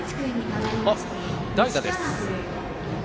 代打です。